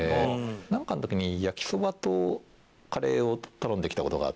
なんかの時に焼きそばとカレーを頼んできた事があって。